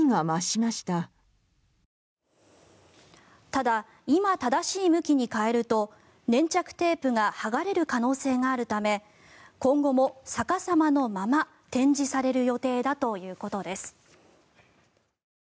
ただ今正しい向きに変えると粘着テープがはがれる可能性があるため今後も逆さまのまま展示される予定だということです。